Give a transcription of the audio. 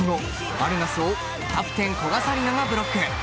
バルガスをキャプテン・古賀紗理那がブロック。